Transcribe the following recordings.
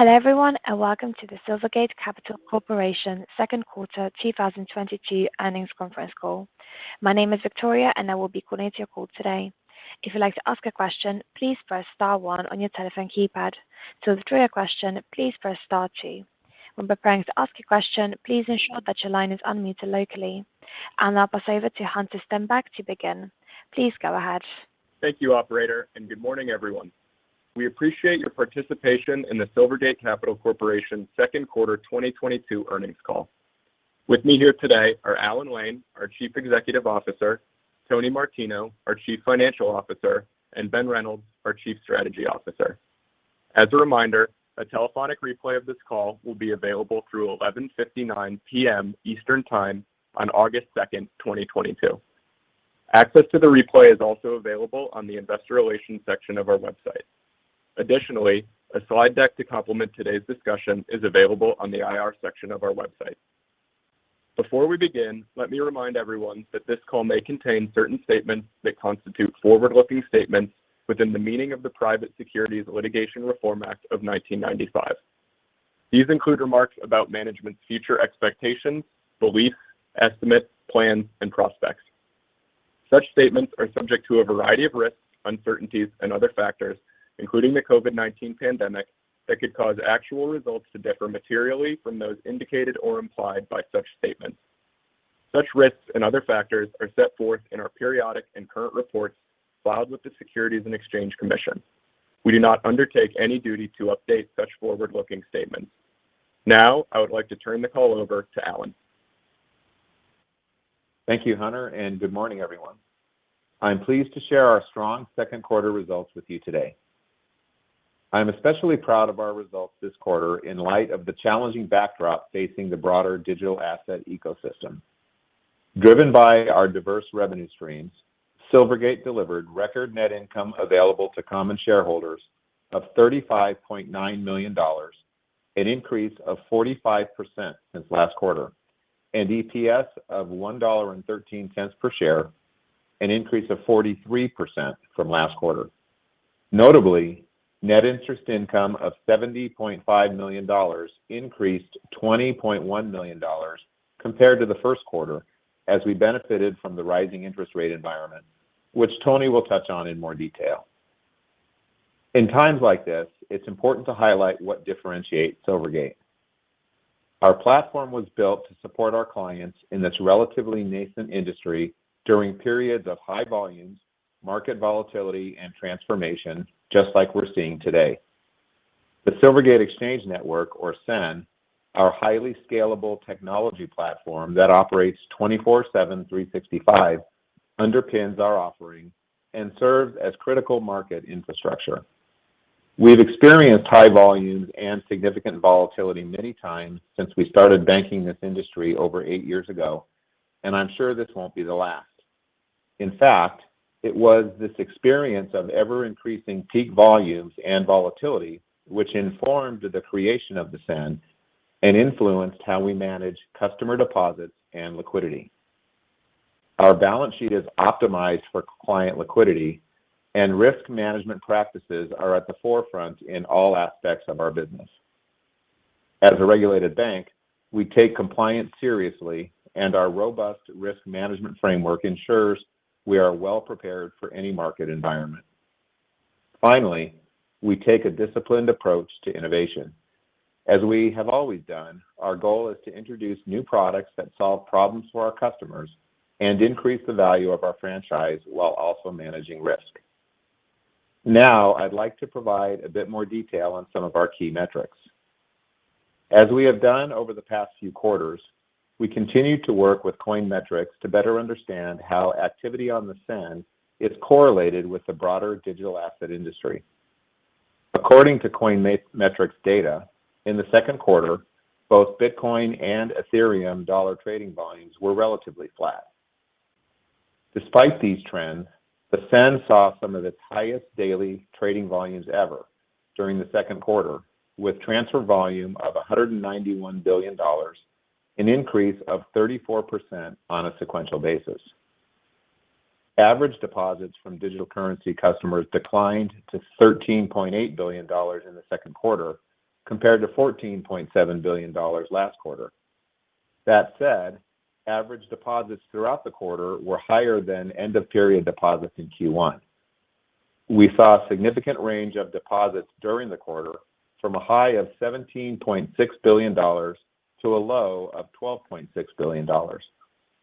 Hello, everyone, and welcome to the Silvergate Capital Corporation Second Quarter 2022 Earnings Conference Call. My name is Victoria and I will be coordinating your call today. If you'd like to ask a question, please press star one on your telephone keypad. To withdraw your question, please press star two. When preparing to ask a question, please ensure that your line is unmuted locally. I'll now pass over to Hunter Stenback to begin. Please go ahead. Thank you, operator, and good morning, everyone. We appreciate your participation in the Silvergate Capital Corporation Second Quarter 2022 Earnings Call. With me here today are Alan Lane, our Chief Executive Officer, Tony Martino, our Chief Financial Officer, and Ben Reynolds, our Chief Strategy Officer. As a reminder, a telephonic replay of this call will be available through 11:59 P.M. Eastern Time on August 2nd, 2022. Access to the replay is also available on the investor relations section of our website. Additionally, a slide deck to complement today's discussion is available on the IR section of our website. Before we begin, let me remind everyone that this call may contain certain statements that constitute forward-looking statements within the meaning of the Private Securities Litigation Reform Act of 1995. These include remarks about management's future expectations, beliefs, estimates, plans, and prospects. Such statements are subject to a variety of risks, uncertainties and other factors, including the COVID-19 pandemic, that could cause actual results to differ materially from those indicated or implied by such statements. Such risks and other factors are set forth in our periodic and current reports filed with the Securities and Exchange Commission. We do not undertake any duty to update such forward-looking statements. Now, I would like to turn the call over to Alan Lane. Thank you, Hunter, and good morning, everyone. I'm pleased to share our strong second quarter results with you today. I'm especially proud of our results this quarter in light of the challenging backdrop facing the broader digital asset ecosystem. Driven by our diverse revenue streams, Silvergate delivered record net income available to common shareholders of $35.9 million, an increase of 45% since last quarter, and EPS of $1.13 per share, an increase of 43% from last quarter. Notably, net interest income of $70.5 million increased $20.1 million compared to the first quarter as we benefited from the rising interest rate environment, which Tony will touch on in more detail. In times like this, it's important to highlight what differentiates Silvergate. Our platform was built to support our clients in this relatively nascent industry during periods of high volumes, market volatility, and transformation, just like we're seeing today. The Silvergate Exchange Network, or SEN, our highly scalable technology platform that operates 24/7, 365, underpins our offering and serves as critical market infrastructure. We've experienced high volumes and significant volatility many times since we started banking this industry over eight years ago, and I'm sure this won't be the last. In fact, it was this experience of ever-increasing peak volumes and volatility which informed the creation of the SEN and influenced how we manage customer deposits and liquidity. Our balance sheet is optimized for client liquidity and risk management practices are at the forefront in all aspects of our business. As a regulated bank, we take compliance seriously and our robust risk management framework ensures we are well prepared for any market environment. Finally, we take a disciplined approach to innovation. As we have always done, our goal is to introduce new products that solve problems for our customers and increase the value of our franchise while also managing risk. Now, I'd like to provide a bit more detail on some of our key metrics. As we have done over the past few quarters, we continue to work with Coin Metrics to better understand how activity on the SEN is correlated with the broader digital asset industry. According to Coin Metrics data, in the second quarter, both Bitcoin and Ethereum dollar trading volumes were relatively flat. Despite these trends, the SEN saw some of its highest daily trading volumes ever during the second quarter, with transfer volume of $191 billion, an increase of 34% on a sequential basis. Average deposits from digital currency customers declined to $13.8 billion in the second quarter compared to $14.7 billion last quarter. That said, average deposits throughout the quarter were higher than end-of-period deposits in Q1. We saw a significant range of deposits during the quarter from a high of $17.6 billion to a low of $12.6 billion,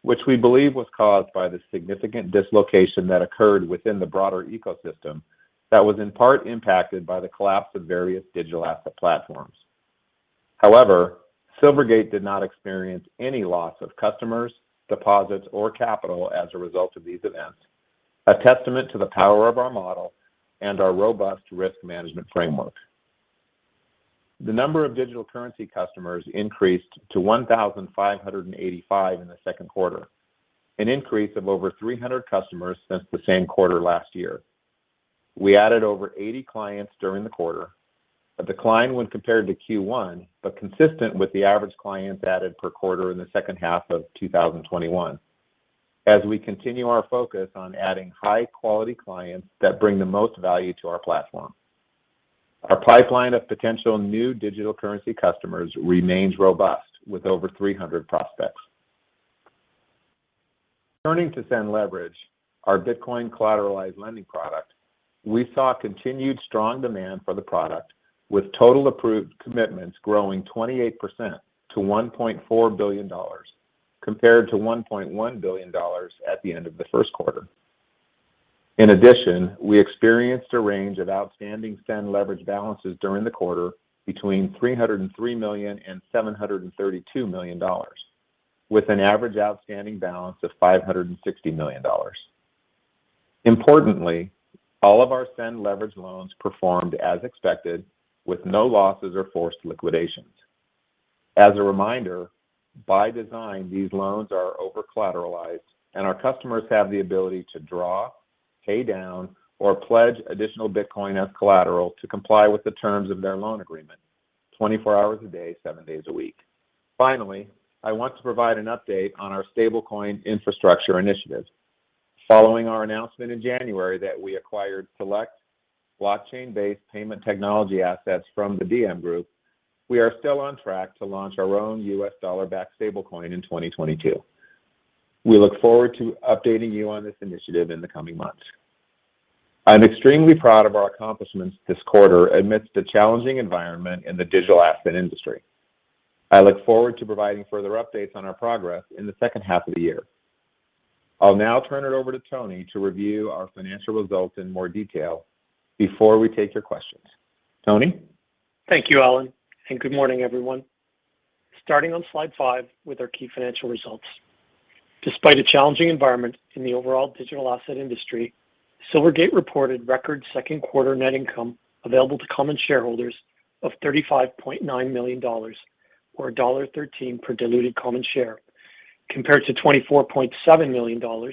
which we believe was caused by the significant dislocation that occurred within the broader ecosystem that was in part impacted by the collapse of various digital asset platforms. However, Silvergate did not experience any loss of customers, deposits, or capital as a result of these events, a testament to the power of our model and our robust risk management framework. The number of digital currency customers increased to 1,585 in the second quarter, an increase of over 300 customers since the same quarter last year. We added over 80 clients during the quarter, a decline when compared to Q1, but consistent with the average clients added per quarter in the second half of 2021. As we continue our focus on adding high quality clients that bring the most value to our platform. Our pipeline of potential new digital currency customers remains robust with over 300 prospects. Turning to SEN Leverage, our Bitcoin collateralized lending product, we saw continued strong demand for the product with total approved commitments growing 28% to $1.4 billion, compared to $1.1 billion at the end of the first quarter. In addition, we experienced a range of outstanding SEN Leverage balances during the quarter between $303 million and $732 million with an average outstanding balance of $560 million. Importantly, all of our SEN Leverage loans performed as expected with no losses or forced liquidations. As a reminder, by design, these loans are over-collateralized and our customers have the ability to draw, pay down, or pledge additional Bitcoin as collateral to comply with the terms of their loan agreement 24 hours a day, seven days a week. Finally, I want to provide an update on our stablecoin infrastructure initiative. Following our announcement in January that we acquired select blockchain-based payment technology assets from the Diem Group, we are still on track to launch our own U.S. dollar-backed stablecoin in 2022. We look forward to updating you on this initiative in the coming months. I'm extremely proud of our accomplishments this quarter amidst a challenging environment in the digital asset industry. I look forward to providing further updates on our progress in the second half of the year. I'll now turn it over to Tony to review our financial results in more detail before we take your questions. Tony. Thank you, Alan, and good morning, everyone. Starting on slide five with our key financial results. Despite a challenging environment in the overall digital asset industry, Silvergate reported record second quarter net income available to common shareholders of $35.9 million or $1.13 per diluted common share, compared to $24.7 million or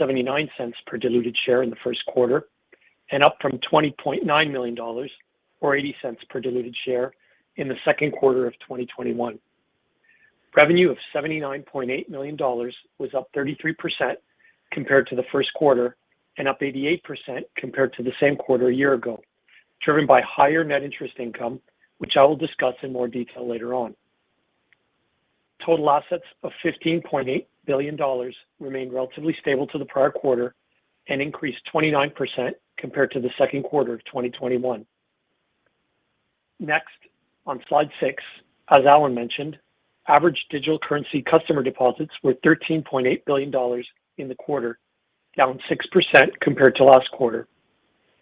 $0.79 per diluted share in the first quarter, and up from $20.9 million or $0.80 per diluted share in the second quarter of 2021. Revenue of $79.8 million was up 33% compared to the first quarter and up 88% compared to the same quarter a year ago, driven by higher net interest income, which I will discuss in more detail later on. Total assets of $15.8 billion remained relatively stable to the prior quarter and increased 29% compared to the second quarter of 2021. Next, on slide six, as Alan mentioned, average digital currency customer deposits were $13.8 billion in the quarter, down 6% compared to last quarter.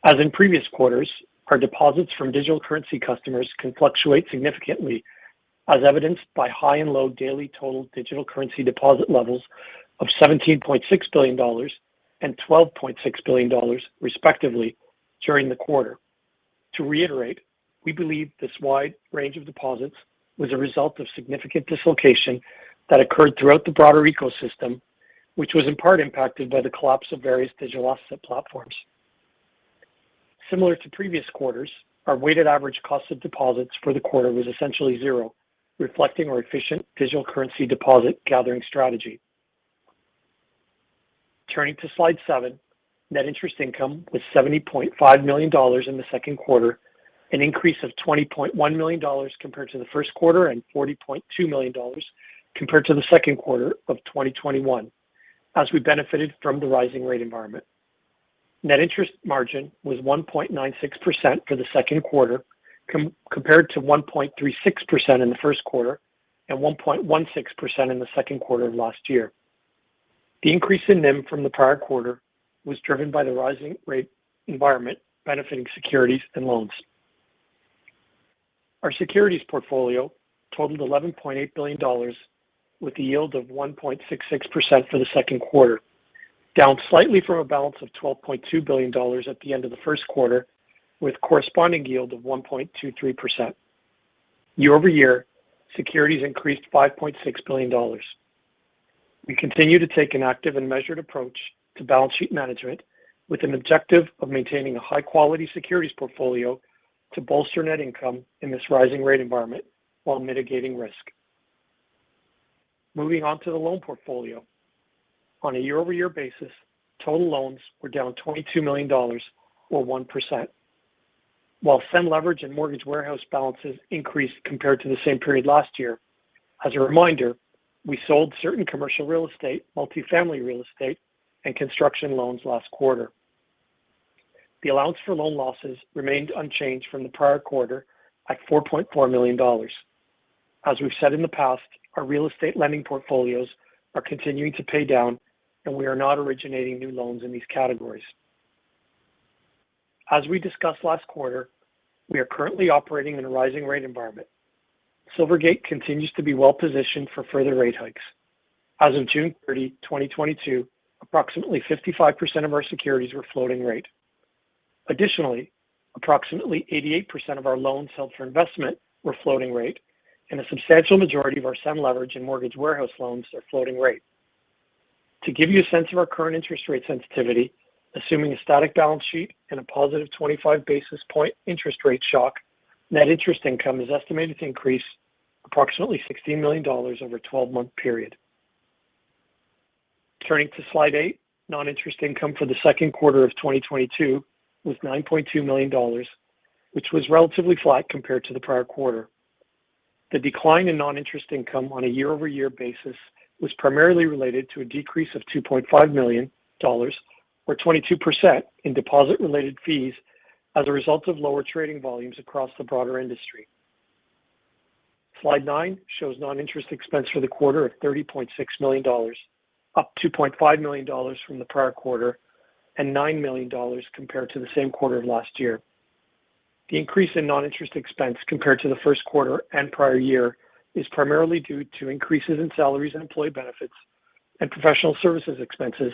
As in previous quarters, our deposits from digital currency customers can fluctuate significantly as evidenced by high and low daily total digital currency deposit levels of $17.6 billion and $12.6 billion, respectively, during the quarter. To reiterate, we believe this wide range of deposits was a result of significant dislocation that occurred throughout the broader ecosystem, which was in part impacted by the collapse of various digital asset platforms. Similar to previous quarters, our weighted average cost of deposits for the quarter was essentially zero, reflecting our efficient digital currency deposit gathering strategy. Turning to slide seven, net interest income was $70.5 million in the second quarter, an increase of $20.1 million compared to the first quarter and $40.2 million compared to the second quarter of 2021, as we benefited from the rising rate environment. Net interest margin was 1.96% for the second quarter compared to 1.36% in the first quarter and 1.16% in the second quarter of last year. The increase in NIM from the prior quarter was driven by the rising rate environment benefiting securities and loans. Our securities portfolio totaled $11.8 billion with a yield of 1.66% for the second quarter, down slightly from a balance of $12.2 billion at the end of the first quarter, with corresponding yield of 1.23%. Year-over-year, securities increased $5.6 billion. We continue to take an active and measured approach to balance sheet management with an objective of maintaining a high-quality securities portfolio to bolster net income in this rising rate environment while mitigating risk. Moving on to the loan portfolio. On a year-over-year basis, total loans were down $22 million or 1%. While SEN Leverage and Mortgage Warehouse balances increased compared to the same period last year. As a reminder, we sold certain commercial real estate, multifamily real estate, and construction loans last quarter. The allowance for loan losses remained unchanged from the prior quarter at $4.4 million. As we've said in the past, our real estate lending portfolios are continuing to pay down, and we are not originating new loans in these categories. As we discussed last quarter, we are currently operating in a rising rate environment. Silvergate continues to be well positioned for further rate hikes. As of June 30, 2022, approximately 55% of our securities were floating rate. Additionally, approximately 88% of our loans held for investment were floating rate, and a substantial majority of our SEN Leverage and Mortgage Warehouse loans are floating rate. To give you a sense of our current interest rate sensitivity, assuming a static balance sheet and a positive 25 basis point interest rate shock, net interest income is estimated to increase Approximately $16 million over a 12-month period. Turning to slide eight, non-interest income for the second quarter of 2022 was $9.2 million, which was relatively flat compared to the prior quarter. The decline in non-interest income on a year-over-year basis was primarily related to a decrease of $2.5 million or 22% in deposit-related fees as a result of lower trading volumes across the broader industry. Slide nine shows non-interest expense for the quarter of $30.6 million, up $2.5 million from the prior quarter and $9 million compared to the same quarter of last year. The increase in non-interest expense compared to the first quarter and prior year is primarily due to increases in salaries and employee benefits and professional services expenses,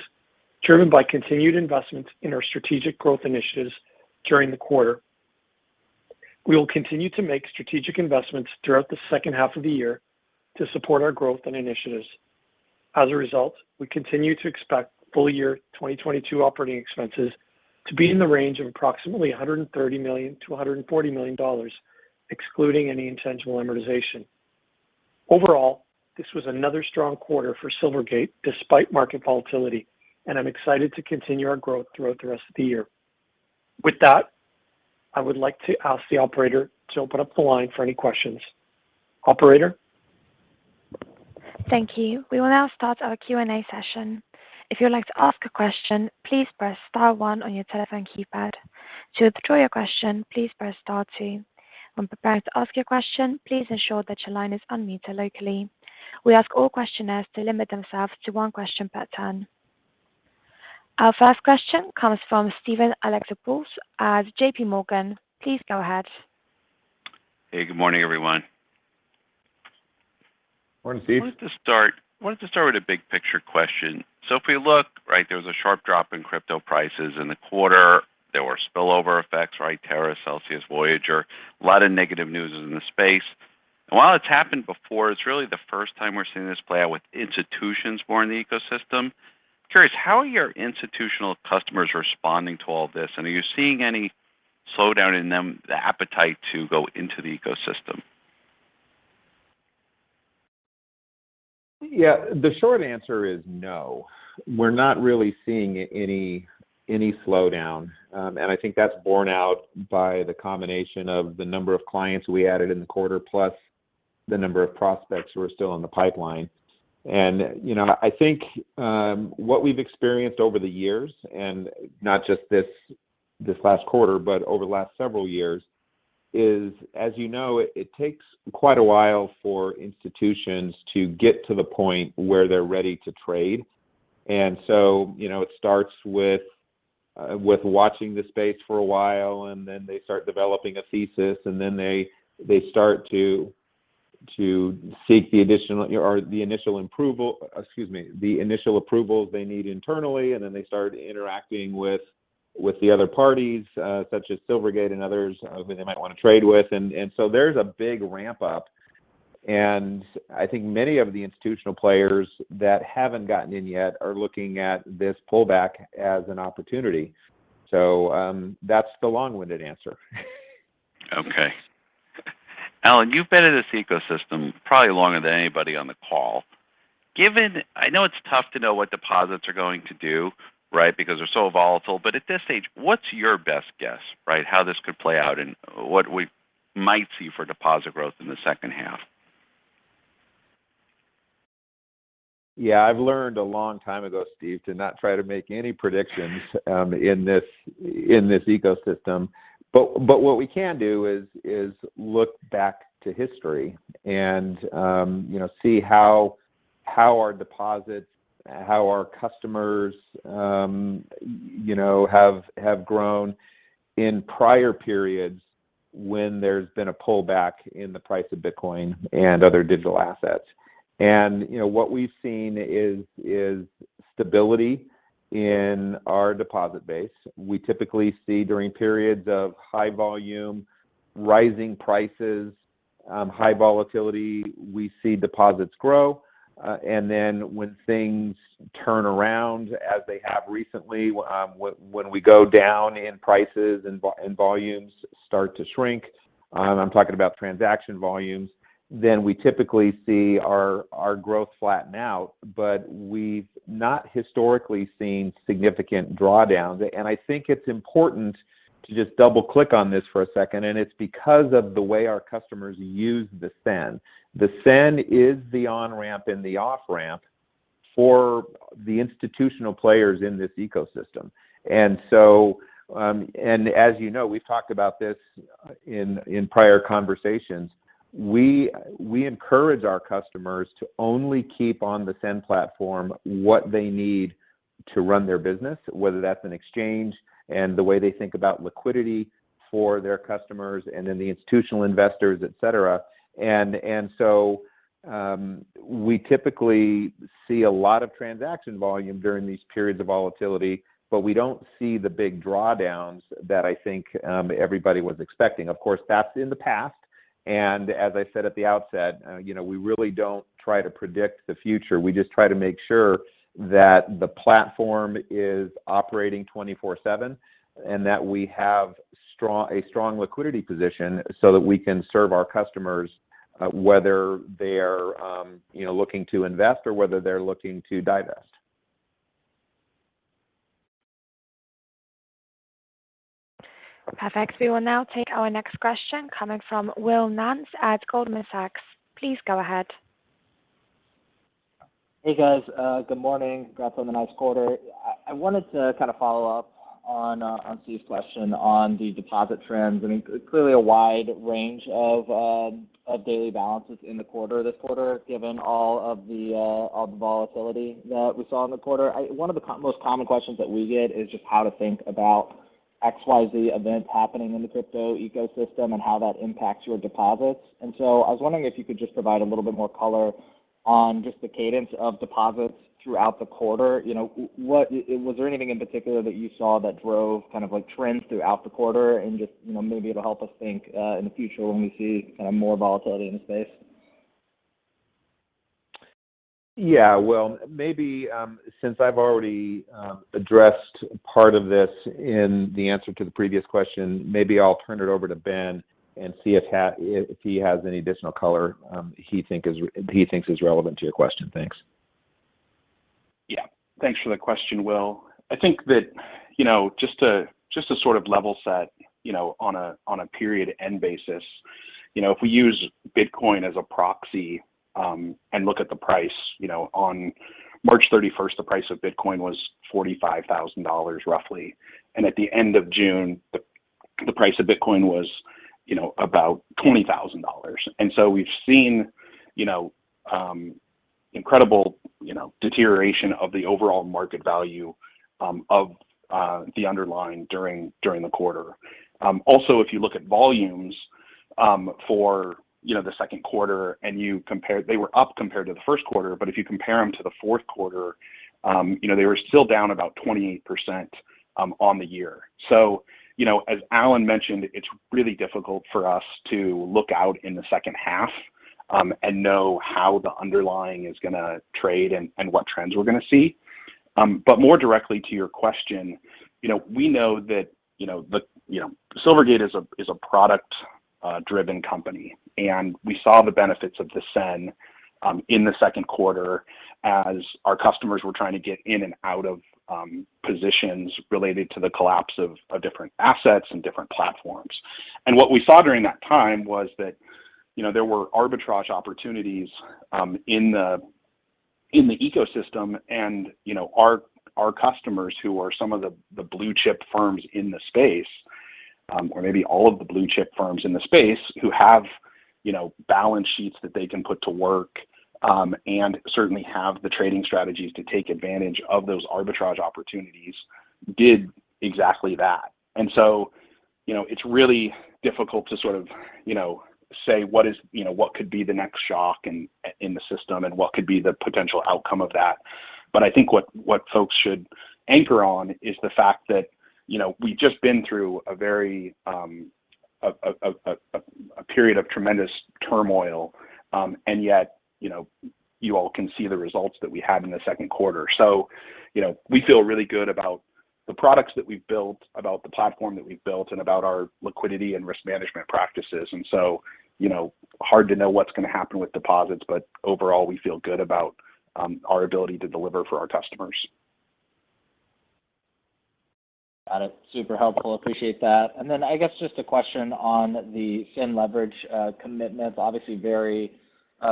driven by continued investment in our strategic growth initiatives during the quarter. We will continue to make strategic investments throughout the second half of the year to support our growth and initiatives. As a result, we continue to expect full year 2022 operating expenses to be in the range of approximately $130 million-$140 million, excluding any intangible amortization. Overall, this was another strong quarter for Silvergate despite market volatility, and I'm excited to continue our growth throughout the rest of the year. With that, I would like to ask the operator to open up the line for any questions. Operator? Thank you. We will now start our Q&A session. If you'd like to ask a question, please press star one on your telephone keypad. To withdraw your question, please press star two. When preparing to ask your question, please ensure that your line is unmuted locally. We ask all questioners to limit themselves to one question per turn. Our first question comes from Steven Alexopoulos at J.P. Morgan. Please go ahead. Hey, good morning, everyone. Morning, Steve. I wanted to start with a big picture question. If we look, right, there was a sharp drop in crypto prices in the quarter. There were spillover effects, right? Terra, Celsius, Voyager, a lot of negative news in the space. While it's happened before, it's really the first time we're seeing this play out with institutions more in the ecosystem. I'm curious, how are your institutional customers responding to all this? Are you seeing any slowdown in them, the appetite to go into the ecosystem? Yeah, the short answer is no. We're not really seeing any slowdown. I think that's borne out by the combination of the number of clients we added in the quarter plus the number of prospects who are still in the pipeline. And you know, I think what we've experienced over the years, and not just this last quarter, but over the last several years, is, as you know, it takes quite a while for institutions to get to the point where they're ready to trade. And so you know, it starts with watching the space for a while, and then they start developing a thesis, and then they start to seek the additional or the initial approval, excuse me, the initial approvals they need internally, and then they start interacting with the other parties, such as Silvergate and others, who they might want to trade with. There's a big ramp up. And I think many of the institutional players that haven't gotten in yet are looking at this pullback as an opportunity. That's the long-winded answer. Okay. Alan, you've been in this ecosystem probably longer than anybody on the call. Given I know it's tough to know what deposits are going to do, right? Because they're so volatile. At this stage, what's your best guess, right? How this could play out and what we might see for deposit growth in the second half? Yeah, I've learned a long time ago, Steve, to not try to make any predictions in this ecosystem. What we can do is look back to history and you know see how our deposits, how our customers you know have grown in prior periods when there's been a pullback in the price of Bitcoin and other digital assets. And what we've seen is stability in our deposit base. We typically see during periods of high volume, rising prices, high volatility, deposits grow. And then when things turn around as they have recently, when we go down in prices and volumes start to shrink, I'm talking about transaction volumes, then we typically see our growth flatten out. But we've not historically seen significant drawdowns. I think it's important to just double-click on this for a second, and it's because of the way our customers use the SEN. The SEN is the on-ramp and the off-ramp for the institutional players in this ecosystem. And so as you know, we've talked about this in prior conversations. We encourage our customers to only keep on the SEN platform what they need to run their business, whether that's an exchange and the way they think about liquidity for their customers and then the institutional investors, et cetera. And so we typically see a lot of transaction volume during these periods of volatility, but we don't see the big drawdowns that I think everybody was expecting. Of course, that's in the past. As I said at the outset, you know, we really don't try to predict the future. We just try to make sure that the platform is operating 24/7, and that we have a strong liquidity position so that we can serve our customers, whether they're, you know, looking to invest or whether they're looking to divest. Perfect. We will now take our next question coming from Will Nance at Goldman Sachs. Please go ahead. Hey, guys. Good morning. Congrats on the nice quarter. I wanted to kind of follow up on Steve's question on the deposit trends. I mean, clearly a wide range of daily balances in the quarter, this quarter, given all the volatility that we saw in the quarter. One of the most common questions that we get is just how to think about XYZ events happening in the crypto ecosystem and how that impacts your deposits. And so I was wondering if you could just provide a little bit more color on just the cadence of deposits throughout the quarter. Was there anything in particular that you saw that drove kind of like trends throughout the quarter? And just, you know, maybe it'll help us think in the future when we see kind of more volatility in the space. Yeah. Well, maybe, since I've already addressed part of this in the answer to the previous question, maybe I'll turn it over to Ben and see if he has any additional color, he thinks is relevant to your question. Thanks. Yeah. Thanks for the question, Will. I think that, you know, just to sort of level set, you know, on a period end basis, you know, if we use Bitcoin as a proxy, and look at the price, you know, on March 31st, the price of Bitcoin was $45,000 roughly. And at the end of June, the price of Bitcoin was, you know, about $20,000. We've seen, you know, incredible deterioration of the overall market value of the underlying during the quarter. Also, if you look at volumes for the second quarter and you compare. They were up compared to the first quarter, but if you compare them to the fourth quarter, you know, they were still down about 28% on the year. So you know, as Alan mentioned, it's really difficult for us to look out in the second half and know how the underlying is gonna trade and what trends we're gonna see. More directly to your question, we know that Silvergate is a product driven company, and we saw the benefits of the SEN in the second quarter as our customers were trying to get in and out of positions related to the collapse of different assets and different platforms. And what we saw during that time was that, you know, there were arbitrage opportunities in the ecosystem and, you know, our customers, who are some of the blue-chip firms in the space, or maybe all of the blue-chip firms in the space, who have, you know, balance sheets that they can put to work, and certainly have the trading strategies to take advantage of those arbitrage opportunities, did exactly that. You know, it's really difficult to sort of, you know, say what is, you know, what could be the next shock in the system and what could be the potential outcome of that. I think what folks should anchor on is the fact that, you know, we've just been through a very period of tremendous turmoil, and yet, you know, you all can see the results that we had in the second quarter. You know, we feel really good about the products that we've built, about the platform that we've built, and about our liquidity and risk management practices. You know, hard to know what's gonna happen with deposits, but overall, we feel good about our ability to deliver for our customers. Got it. Super helpful. Appreciate that. I guess just a question on the SEN Leverage commitments. Obviously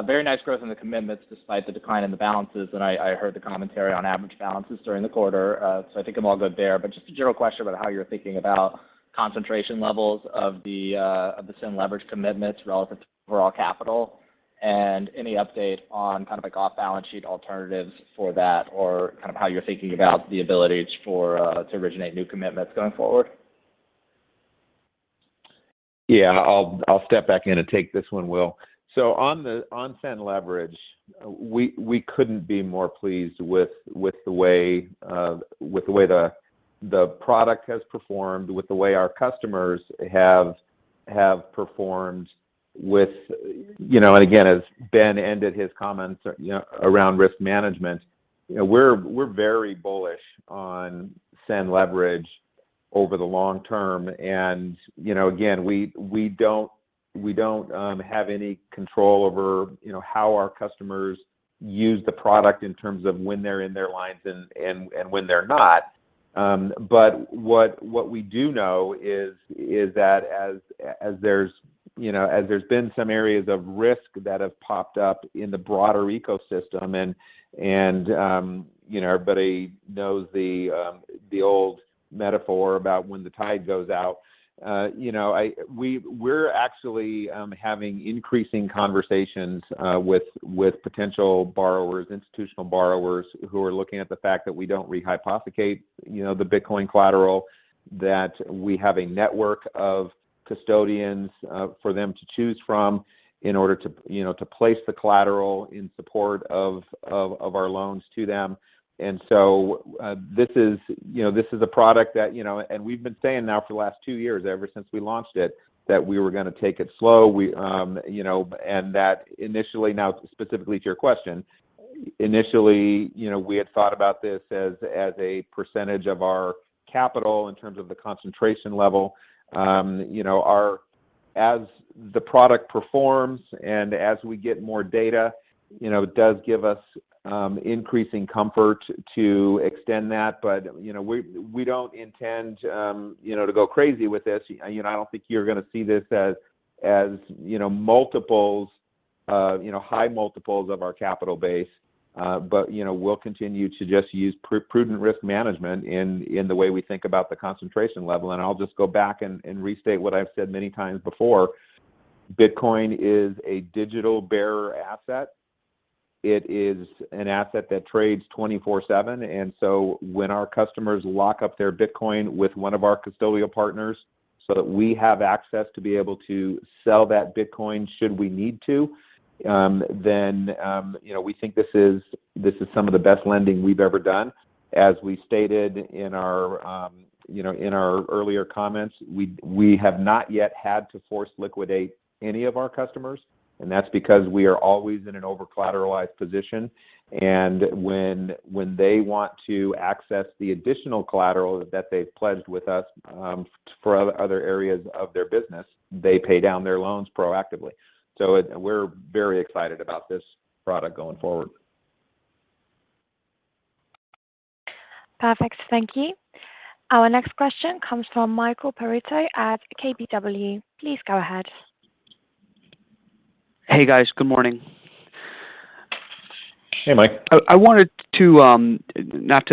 very nice growth in the commitments despite the decline in the balances, and I heard the commentary on average balances during the quarter, so I think I'm all good there. Just a general question about how you're thinking about concentration levels of the SEN Leverage commitments relative to overall capital, and any update on kind of like off-balance sheet alternatives for that or kind of how you're thinking about the ability to originate new commitments going forward. Yeah. I'll step back in and take this one, Will. On SEN Leverage, we couldn't be more pleased with the way the product has performed, with the way our customers have performed. You know, and again, as Ben ended his comments, you know, around risk management, you know, we're very bullish on SEN Leverage over the long term. And you know, again, we don't have any control over, you know, how our customers use the product in terms of when they're in their lines and when they're not. But what we do know is that as there's been some areas of risk that have popped up in the broader ecosystem, and you know, everybody knows the old metaphor about when the tide goes out, you know. We're actually having increasing conversations with potential borrowers, institutional borrowers who are looking at the fact that we don't rehypothecate, you know, the Bitcoin collateral, that we have a network of custodians for them to choose from in order to, you know, to place the collateral in support of our loans to them. And so this is a product that you know. We've been saying now for the last two years, ever since we launched it, that we were gonna take it slow and that initially. Now, specifically to your question, initially, you know, we had thought about this as a percentage of our capital in terms of the concentration level. You know, how, as the product performs and as we get more data, you know, it does give us increasing comfort to extend that. But you know, we don't intend, you know, to go crazy with this. You know, I don't think you're gonna see this as, you know, multiples of, you know, high multiples of our capital base. but you know, we'll continue to just use prudent risk management in the way we think about the concentration level. I'll just go back and restate what I've said many times before. Bitcoin is a digital bearer asset. It is an asset that trades 24/7. When our customers lock up their Bitcoin with one of our custodial partners so that we have access to be able to sell that Bitcoin should we need to, then you know, we think this is some of the best lending we've ever done. As we stated in our you know in our earlier comments, we have not yet had to force liquidate any of our customers, and that's because we are always in an over-collateralized position. When they want to access the additional collateral that they've pledged with us, for other areas of their business, they pay down their loans proactively. So we're very excited about this product going forward. Perfect. Thank you. Our next question comes from Michael Perito at KBW. Please go ahead. Hey, guys. Good morning. Hey, Mike. I wanted to not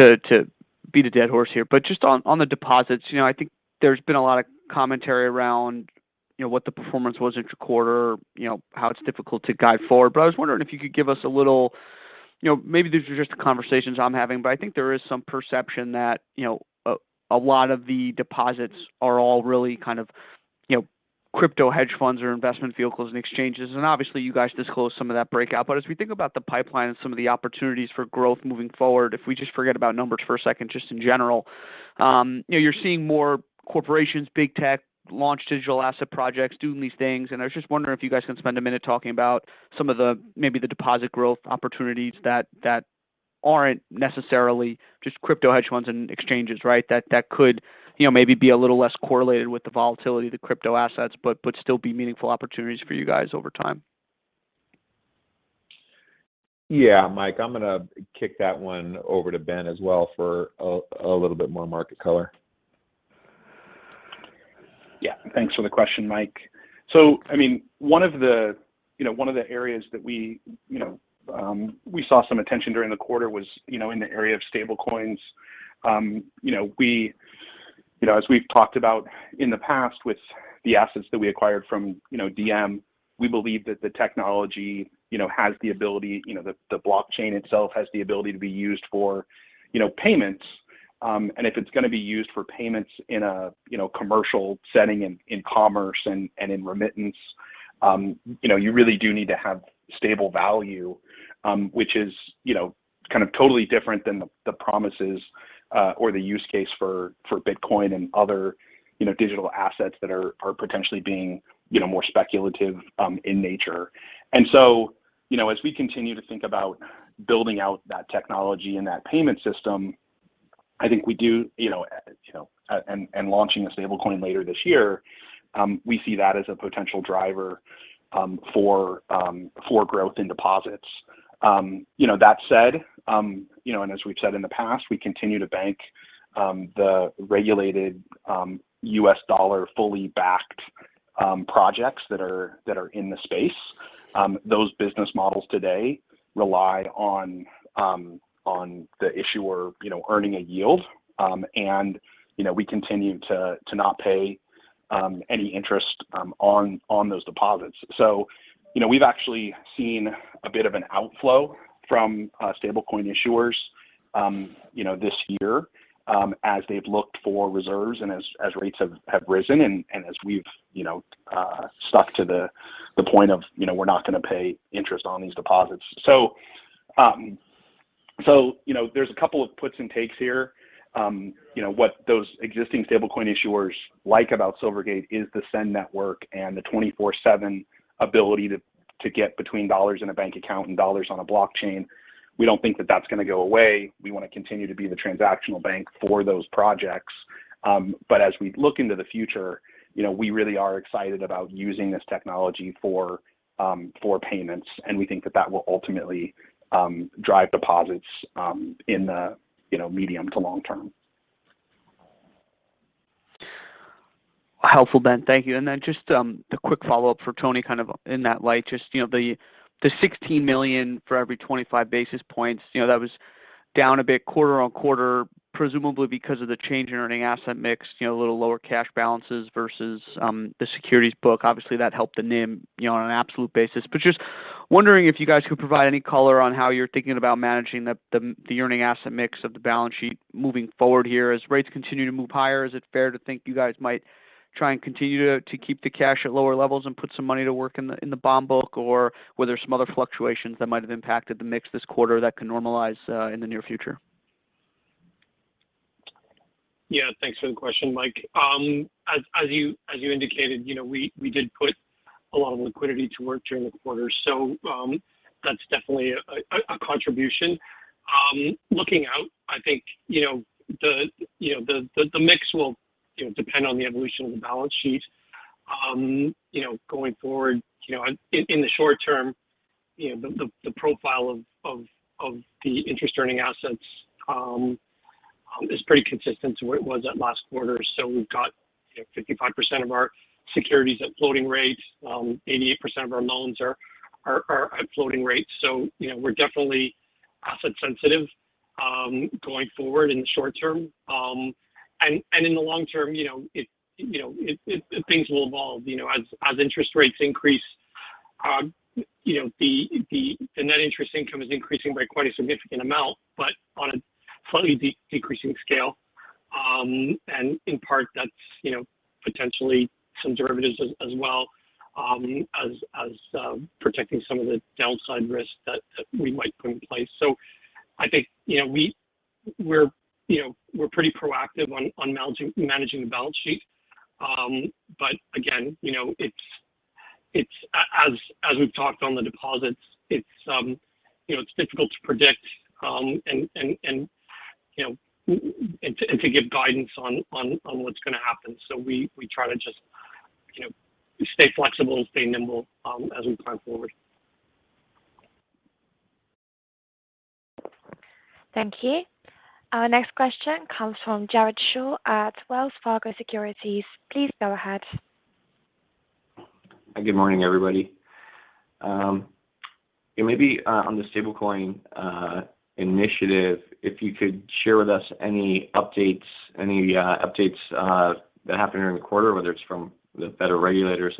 beat a dead horse here, but just on the deposits. You know, I think there's been a lot of commentary around, you know, what the performance was each quarter, you know, how it's difficult to guide forward. I was wondering if you could give us a little, you know, maybe these are just the conversations I'm having, but I think there is some perception that, you know, a lot of the deposits are all really kind of, you know, crypto hedge funds or investment vehicles and exchanges. Obviously you guys disclose some of that breakout. As we think about the pipeline and some of the opportunities for growth moving forward, if we just forget about numbers for a second, just in general, you know, you're seeing more corporations, big tech launch digital asset projects doing these things, and I was just wondering if you guys can spend a minute talking about some of the, maybe the deposit growth opportunities that aren't necessarily just crypto hedge funds and exchanges, right? That could, you know, maybe be a little less correlated with the volatility of the crypto assets, but still be meaningful opportunities for you guys over time. Yeah, Mike, I'm gonna kick that one over to Ben as well for a little bit more market color. Yeah. Thanks for the question, Mike. I mean, one of the areas that we saw some attention during the quarter was in the area of stablecoins. We, as we've talked about in the past with the assets that we acquired from Diem, we believe that the technology has the ability, the blockchain itself has the ability to be used for payments. If it's gonna be used for payments in a, you know, commercial setting in commerce and in remittance, you know, you really do need to have stable value, which is, you know, kind of totally different than the promises or the use case for Bitcoin and other, you know, digital assets that are potentially being, you know, more speculative in nature. And so you know, as we continue to think about building out that technology and that payment system, I think we do, you know, and launching a stablecoin later this year, we see that as a potential driver for growth in deposits. You know, that said, you know, and as we've said in the past, we continue to bank the regulated U.S. dollar fully backed projects that are in the space. Those business models today rely on the issuer, you know, earning a yield. And you know, we continue to not pay any interest on those deposits. You know, we've actually seen a bit of an outflow from stablecoin issuers, you know, this year, as they've looked for reserves and as rates have risen and as we've, you know, stuck to the point of, you know, we're not gonna pay interest on these deposits. So you know, there's a couple of puts and takes here. You know, what those existing stablecoin issuers like about Silvergate is the SEN and the 24/7 ability to get between dollars in a bank account and dollars on a blockchain. We don't think that that's gonna go away. We wanna continue to be the transactional bank for those projects. As we look into the future, you know, we really are excited about using this technology for payments, and we think that that will ultimately drive deposits in the medium to long term. Helpful, Ben. Thank you. Just a quick follow-up for Tony, kind of in that light. Just, you know, the $16 million for every 25 basis points, you know, that was down a bit quarter-over-quarter, presumably because of the change in earning asset mix, you know, a little lower cash balances versus the securities book. Obviously, that helped the NIM, you know, on an absolute basis. Just wondering if you guys could provide any color on how you're thinking about managing the earning asset mix of the balance sheet moving forward here. As rates continue to move higher, is it fair to think you guys might try and continue to keep the cash at lower levels and put some money to work in the bond book, or were there some other fluctuations that might have impacted the mix this quarter that can normalize in the near future? Yeah. Thanks for the question, Mike. As you indicated, you know, we did put a lot of liquidity to work during the quarter, so that's definitely a contribution. Looking out, I think, you know, the mix will, you know, depend on the evolution of the balance sheet. You know, going forward, you know, in the short term, you know, the profile of the interest-earning assets is pretty consistent to where it was at last quarter. We've got, you know, 55% of our securities at floating rates. 88% of our loans are at floating rates. You know, we're definitely asset sensitive, going forward in the short term. In the long term, you know, things will evolve, you know, as interest rates increase, you know, the net interest income is increasing by quite a significant amount, but on a slightly decreasing scale. In part that's, you know, potentially some derivatives as well as protecting some of the downside risks that we might put in place. I think, you know, we're pretty proactive on managing the balance sheet. But again, you know, it's as we've talked on the deposits, it's difficult to predict and to give guidance on what's gonna happen. So we try to just, you know, stay flexible, stay nimble as we plan forward. Thank you. Our next question comes from Jared Shaw at Wells Fargo Securities. Please go ahead. Good morning, everybody. Maybe on the stablecoin initiative, if you could share with us any updates that happened during the quarter, whether it's from the federal regulators.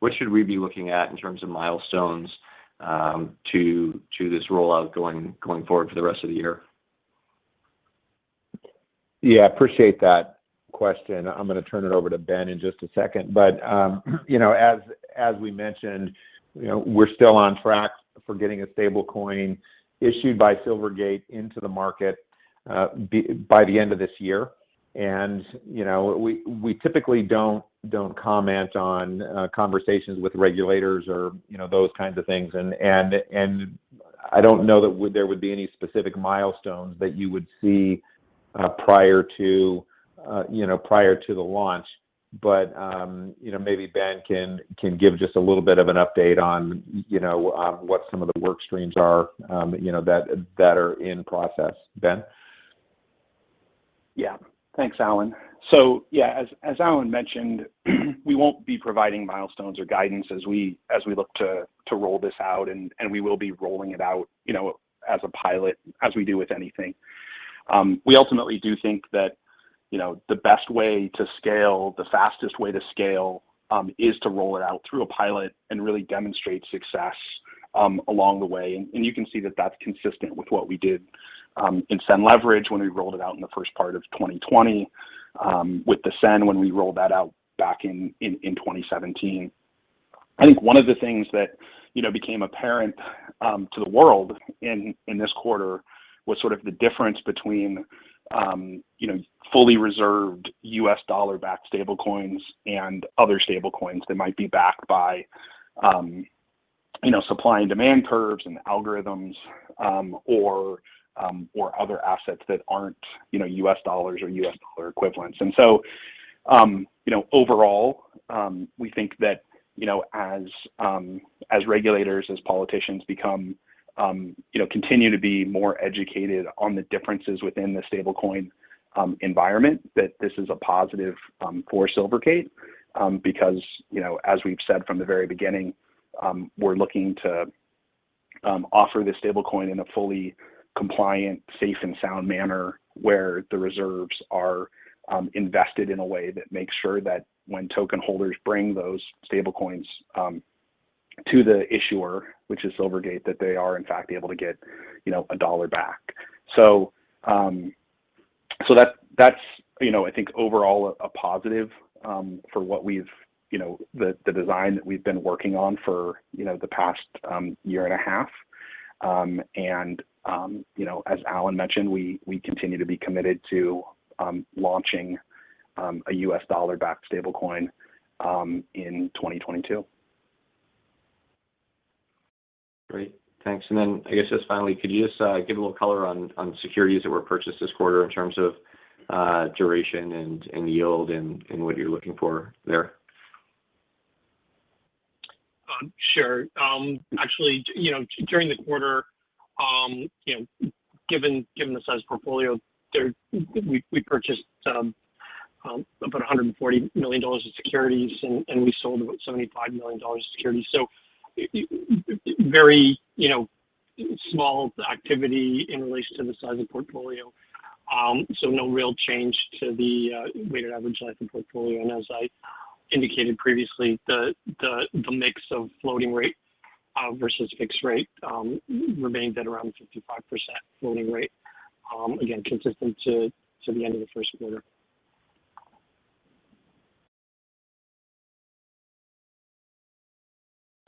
What should we be looking at in terms of milestones to this rollout going forward for the rest of the year? Yeah, appreciate that question. I'm gonna turn it over to Ben in just a second. You know, as we mentioned, you know, we're still on track for getting a stablecoin issued by Silvergate into the market, by the end of this year. And you know, we typically don't comment on conversations with regulators or, you know, those kinds of things. I don't know that there would be any specific milestones that you would see, prior to, you know, prior to the launch. But you know, maybe Ben can give just a little bit of an update on, you know, what some of the work streams are, you know, that are in process. Ben? Yeah. Thanks, Alan. Yeah, as Alan mentioned, we won't be providing milestones or guidance as we look to roll this out, and we will be rolling it out, you know, as a pilot as we do with anything. We ultimately do think that, you know, the best way to scale, the fastest way to scale, is to roll it out through a pilot and really demonstrate success along the way. You can see that that's consistent with what we did in SEN Leverage when we rolled it out in the first part of 2020 with the SEN when we rolled that out back in 2017. I think one of the things that, you know, became apparent to the world in this quarter was sort of the difference between, you know, fully reserved U.S. dollar-backed stablecoins and other stablecoins that might be backed by, you know, supply and demand curves and algorithms, or other assets that aren't, you know, U.S. dollars or U.S. dollar equivalents. Overall, you know, we think that, you know, as regulators, as politicians become, you know, continue to be more educated on the differences within the stablecoin environment, that this is a positive for Silvergate. Because you know, as we've said from the very beginning, we're looking to offer the stablecoin in a fully compliant, safe, and sound manner where the reserves are invested in a way that makes sure that when token holders bring those stablecoins to the issuer, which is Silvergate, that they are in fact able to get, you know, a dollar back. So that's, you know, I think overall a positive for what we've, you know, the design that we've been working on for, you know, the past year and a half. And you know, as Alan mentioned, we continue to be committed to launching a U.S. dollar-backed stablecoin in 2022. Great. Thanks. I guess just finally, could you just give a little color on securities that were purchased this quarter in terms of duration and yield and what you're looking for there? Sure. Actually, you know, during the quarter, you know, given the size of portfolio there, we purchased about $140 million of securities and we sold about $75 million of securities. Very, you know, small activity in relation to the size of portfolio. No real change to the weighted average life and portfolio. As I indicated previously, the mix of floating rate versus fixed rate remained at around 55% floating rate, again, consistent to the end of the first quarter.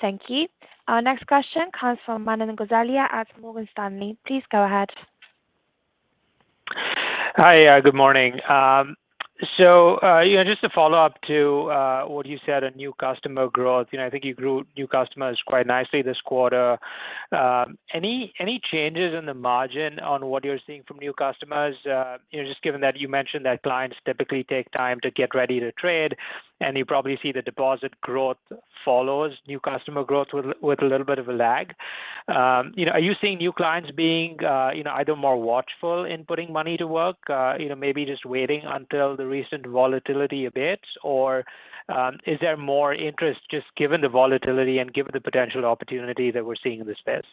Thank you. Our next question comes from Manan Gosalia at Morgan Stanley. Please go ahead. Hi, yeah, good morning. Just to follow up to what you said on new customer growth. You know, I think you grew new customers quite nicely this quarter. Any changes in the margin on what you're seeing from new customers, just given that you mentioned that clients typically take time to get ready to trade, and you probably see the deposit growth follows new customer growth with a little bit of a lag. You know, are you seeing new clients being either more watchful in putting money to work, maybe just waiting until the recent volatility abates? Or is there more interest just given the volatility and given the potential opportunity that we're seeing in the space?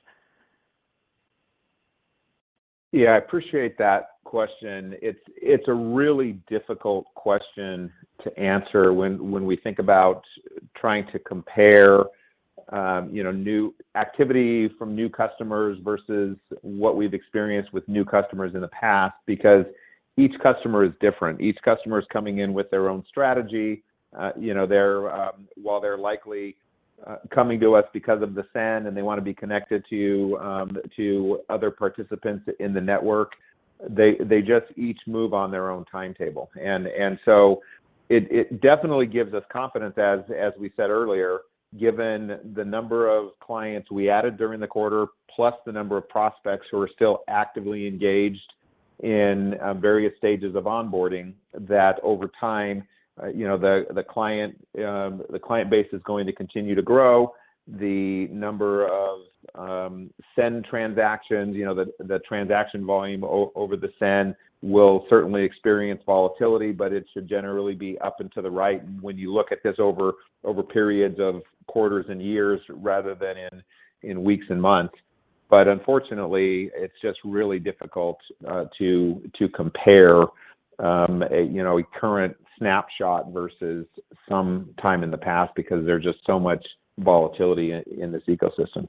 Yeah, I appreciate that question. It's a really difficult question to answer when we think about trying to compare, you know, new activity from new customers versus what we've experienced with new customers in the past, because each customer is different. Each customer is coming in with their own strategy. You know, they're while they're likely coming to us because of the SEN, and they want to be connected to other participants in the network, they just each move on their own timetable. And so it definitely gives us confidence as we said earlier, given the number of clients we added during the quarter, plus the number of prospects who are still actively engaged in various stages of onboarding, that over time, you know, the client base is going to continue to grow. The number of SEN transactions, you know, the transaction volume over the SEN will certainly experience volatility, but it should generally be up and to the right when you look at this over periods of quarters and years rather than in weeks and months. But unfortunately, it's just really difficult to compare, you know, a current snapshot versus some time in the past because there's just so much volatility in this ecosystem.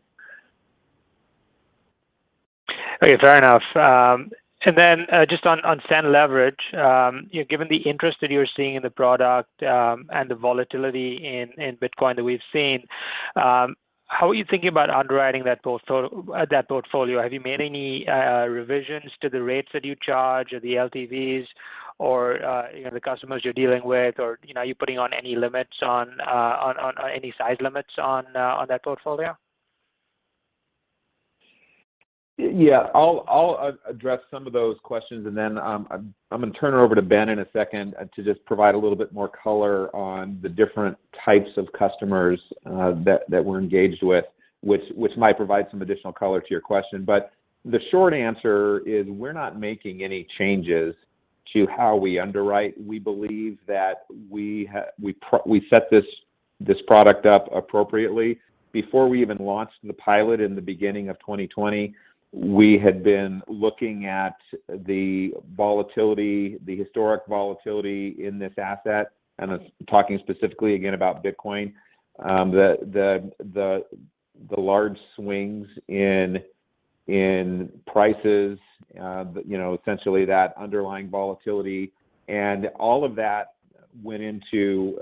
Okay. Fair enough. Just on SEN Leverage, you know, given the interest that you're seeing in the product, and the volatility in Bitcoin that we've seen, how are you thinking about underwriting that portfolio? Have you made any revisions to the rates that you charge or the LTVs or, you know, the customers you're dealing with, or, you know, are you putting on any limits on any size limits on that portfolio? Yeah. I'll address some of those questions and then, I'm gonna turn it over to Ben in a second to just provide a little bit more color on the different types of customers that we're engaged with, which might provide some additional color to your question. But the short answer is we're not making any changes to how we underwrite. We believe that we set this product up appropriately. Before we even launched the pilot in the beginning of 2020, we had been looking at the volatility, the historic volatility in this asset, and that's talking specifically again about Bitcoin. The large swings in prices, you know, essentially that underlying volatility, and all of that went into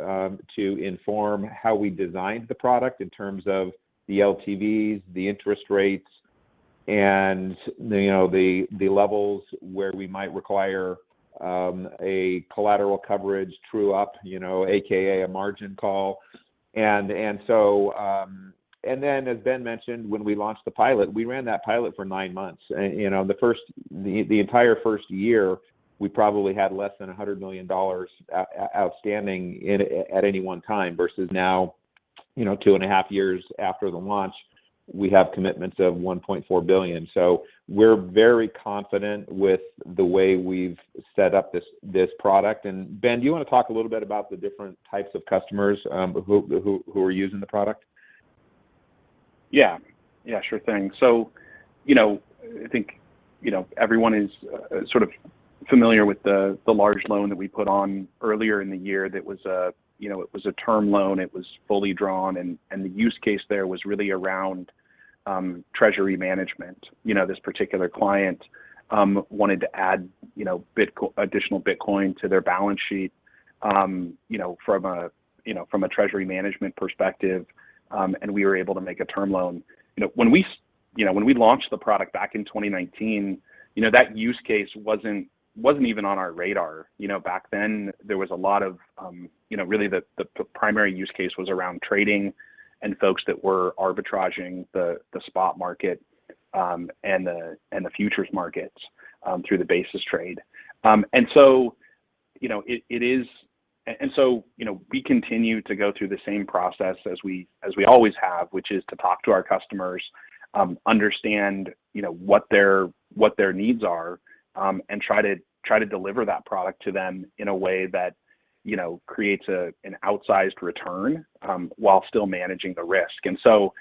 to inform how we designed the product in terms of the LTVs, the interest rates, and you know, the levels where we might require a collateral coverage true up, you know, AKA a margin call. And then as Ben mentioned, when we launched the pilot, we ran that pilot for nine months. You know, the entire first year, we probably had less than $100 million outstanding at any one time, versus now, you know, two and a half years after the launch, we have commitments of $1.4 billion. So we're very confident with the way we've set up this product. Ben, do you wanna talk a little bit about the different types of customers, who are using the product? Yeah. Yeah, sure thing. You know, I think, you know, everyone is sort of familiar with the large loan that we put on earlier in the year that was a, you know, it was a term loan, it was fully drawn, and the use case there was really around treasury management. You know, this particular client wanted to add, you know, additional Bitcoin to their balance sheet, you know, from a treasury management perspective, and we were able to make a term loan. You know, when we launched the product back in 2019, you know, that use case wasn't even on our radar. You know, back then, there was a lot of, you know, really the primary use case was around trading and folks that were arbitraging the spot market and the futures markets through the basis trade. And so you know, we continue to go through the same process as we always have, which is to talk to our customers, understand what their needs are, and try to deliver that product to them in a way that creates an outsized return while still managing the risk. So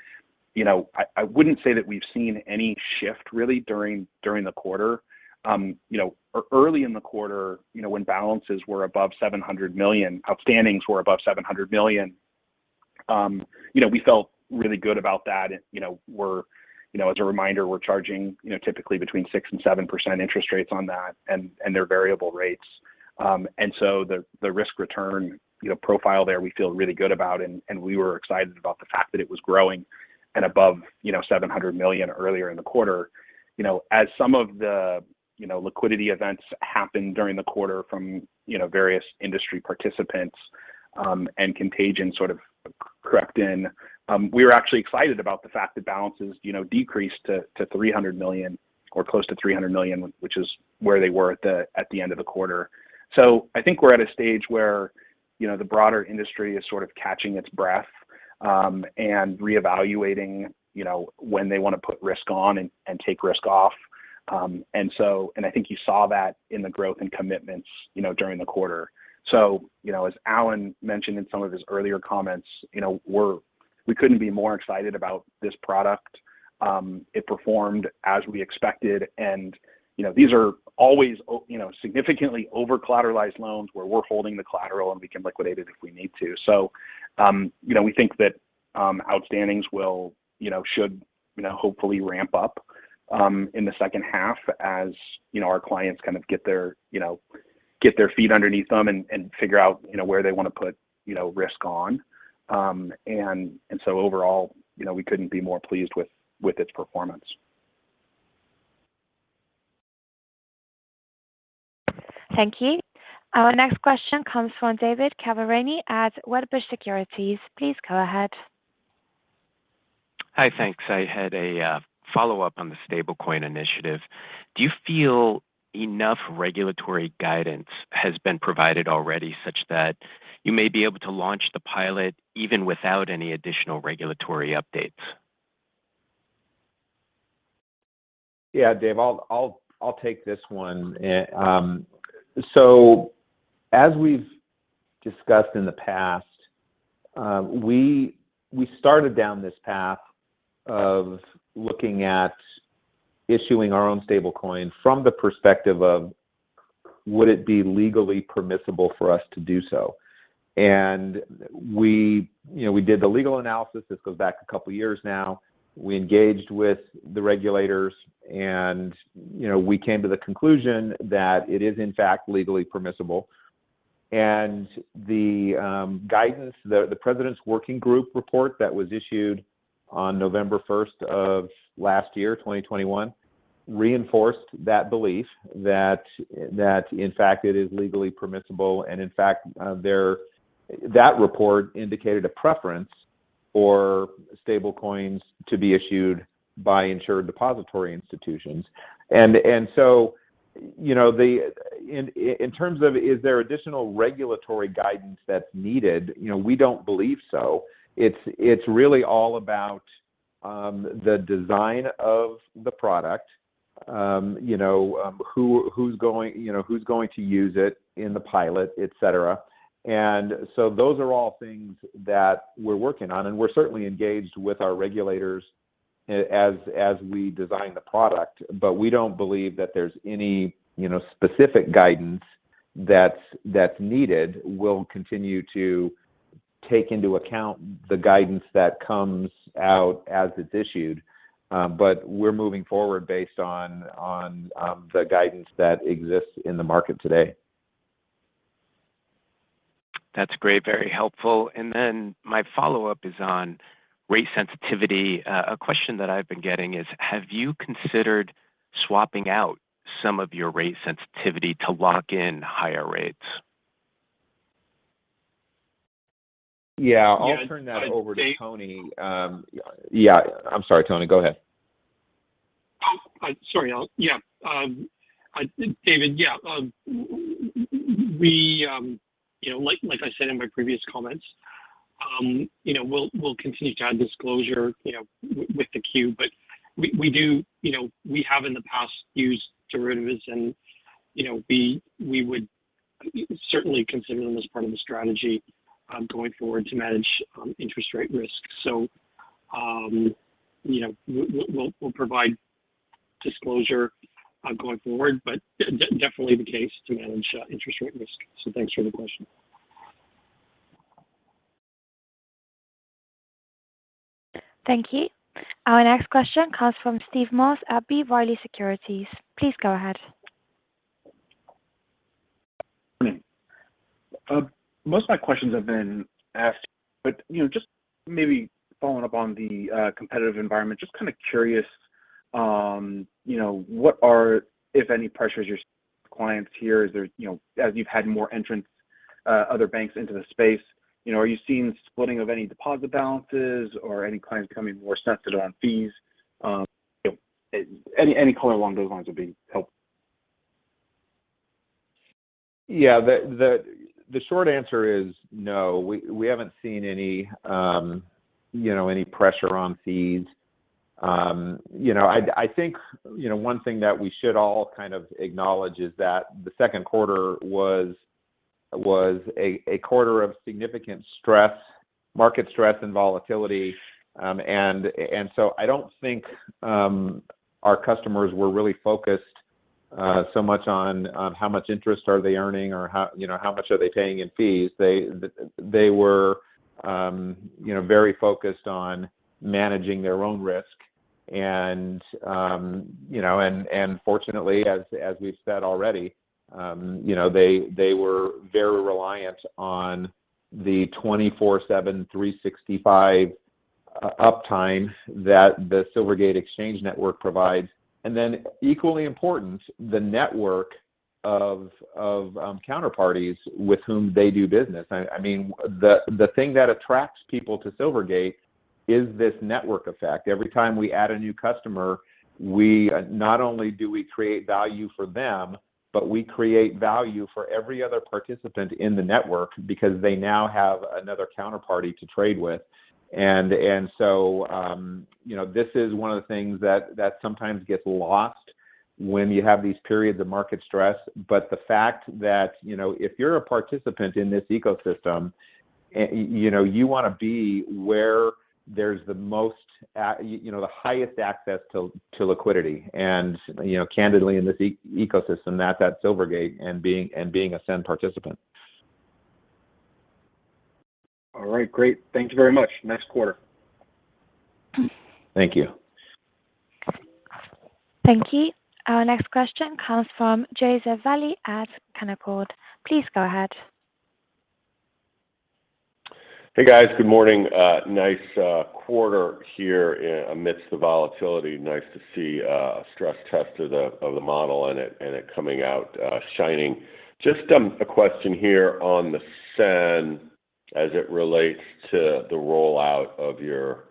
you know, I wouldn't say that we've seen any shift really during the quarter. Early in the quarter, you know, when balances were above $700 million, outstandings were above $700 million, you know, we felt really good about that. You know, we're, you know, as a reminder, we're charging, you know, typically between 6% and 7% interest rates on that, and they're variable rates. The risk return, you know, profile there we feel really good about and we were excited about the fact that it was growing and above $700 million earlier in the quarter. You know, as some of the liquidity events happened during the quarter from various industry participants and contagion sort of crept in, we were actually excited about the fact that balances, you know, decreased to $300 million or close to $300 million, which is where they were at the end of the quarter. I think we're at a stage where, you know, the broader industry is sort of catching its breath and reevaluating, you know, when they want to put risk on and take risk off. And so I think you saw that in the growth in commitments, you know, during the quarter. You know, as Alan mentioned in some of his earlier comments, you know, we couldn't be more excited about this product. It performed as we expected and, you know, these are always, you know, significantly over-collateralized loans where we're holding the collateral and we can liquidate it if we need to. So you know, we think that outstandings will, you know, should, you know, hopefully ramp up in the second half as, you know, our clients kind of get their, you know, get their feet underneath them and figure out, you know, where they want to put, you know, risk on. And overall, you know, we couldn't be more pleased with its performance. Thank you. Our next question comes from David Chiaverini at Wedbush Securities. Please go ahead. Hi, thanks. I had a follow-up on the stablecoin initiative. Do you feel enough regulatory guidance has been provided already such that you may be able to launch the pilot even without any additional regulatory updates? Yeah, Dave, I'll take this one. As we've discussed in the past, we started down this path of looking at issuing our own stablecoin from the perspective of would it be legally permissible for us to do so. And we, you know, did the legal analysis. This goes back a couple of years now. We engaged with the regulators and, you know, came to the conclusion that it is in fact legally permissible. And the guidance, the president's working group report that was issued on November first of last year, 2021, reinforced that belief that in fact it is legally permissible. In fact, that report indicated a preference for stablecoins to be issued by insured depository institutions. And so in terms of, is there additional regulatory guidance that's needed, you know, we don't believe so. It's really all about the design of the product, you know, who's going to use it in the pilot, et cetera. And so those are all things that we're working on, and we're certainly engaged with our regulators as we design the product. but we don't believe that there's any, you know, specific guidance that's needed. We'll continue to take into account the guidance that comes out as it's issued. But we're moving forward based on the guidance that exists in the market today. That's great, very helpful. And then my follow-up is on rate sensitivity. A question that I've been getting is, have you considered swapping out some of your rate sensitivity to lock in higher rates? Yeah. I'll turn that over to Tony. Yeah. I'm sorry, Tony, go ahead. Sorry, Alan. Yeah. David, yeah. We, you know, like I said in my previous comments, you know, we'll continue to add disclosure, you know, with the Q, but you know, we have in the past used derivatives and, you know, we would certainly consider them as part of the strategy going forward to manage interest rate risk. So you know, we'll provide disclosure going forward, but definitely the case to manage interest rate risk. Thanks for the question. Thank you. Our next question comes from Steve Moss at B. Riley Securities. Please go ahead. Most of my questions have been asked, but you know, just maybe following up on the competitive environment, just kind of curious, you know, what are, if any, pressures your clients hear? Is there, you know, as you've had more entrants, other banks into the space, you know, are you seeing splitting of any deposit balances or any clients becoming more sensitive on fees? Any color along those lines would be helpful. Yeah. The short answer is no, we haven't seen any, you know, pressure on fees. You know, I think, you know, one thing that we should all kind of acknowledge is that the second quarter was a quarter of significant stress, market stress and volatility. And so I don't think our customers were really focused so much on how much interest are they earning or how, you know, how much are they paying in fees. They were, you know, very focused on managing their own risk. And fortunately, as we've said already, you know, they were very reliant on the 24/7, 365 uptime that the Silvergate Exchange Network provides. And equally important, the network of counterparties with whom they do business. I mean, the thing that attracts people to Silvergate is this network effect. Every time we add a new customer, not only do we create value for them, but we create value for every other participant in the network because they now have another counterparty to trade with. And so you know, this is one of the things that sometimes gets lost when you have these periods of market stress. But the fact that, you know, if you're a participant in this ecosystem, you know, you wanna be where there's the most you know, the highest access to liquidity. You know, candidly, in this ecosystem, that's at Silvergate and being a SEN participant. All right. Great. Thank you very much. Next quarter. Thank you. Thank you. Our next question comes from Joseph Vafi at Canaccord. Please go ahead. Hey, guys. Good morning. Nice quarter here amidst the volatility. Nice to see a stress test of the model and it coming out shining. Just a question here on the SEN as it relates to the rollout of your